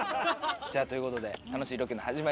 じゃあということで楽しいロケの始まりです。